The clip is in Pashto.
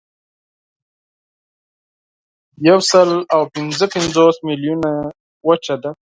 یوسلاوپینځهپنځوس میلیونه یې وچه ده.